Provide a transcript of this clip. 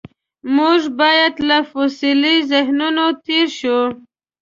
موږ باید له فوسیلي ذهنیتونو تېر شو.